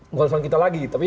bukan urusan kita lagi